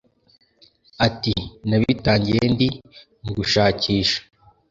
Ati “Nabitangiye ndi mu gushakisha